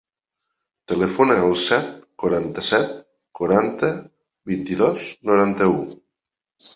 Telefona al set, quaranta-set, quaranta, vint-i-dos, noranta-u.